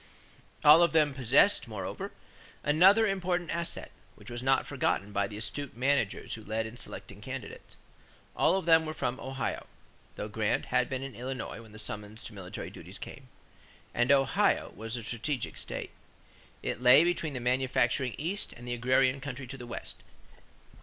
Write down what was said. All of them possessed, moreover, another important asset, which was not forgotten by the astute managers who led in selecting candidates. All of them were from Ohio though Grant had been in Illinois when the summons to military duties came and Ohio was a strategic state. It lay between the manufacturing East and the agrarian country to the West.